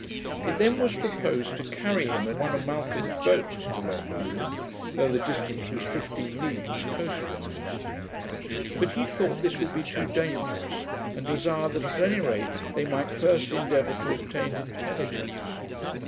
It then was proposed to carry him in one of Malcolm's boats to Lochbroom, though the distance was fifteen leagues coastwise. But he thought this would be too dangerous, and desired that at any rate, they might first endeavour to obtain intelligence.